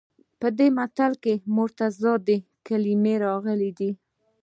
په دې متل کې متضادې کلمې راغلي دي